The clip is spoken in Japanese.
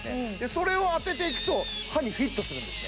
それを当てていくと歯にフィットするんですね